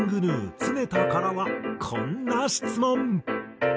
常田からはこんな質問。